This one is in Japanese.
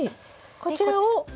こちらを。